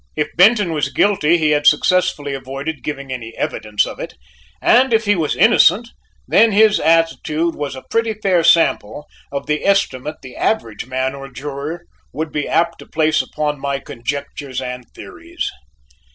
If Benton was guilty he had successfully avoided giving evidence of it, and if he was innocent, then his attitude was a pretty fair sample of the estimate the average man or juror would be apt to place upon my conjectures and theories.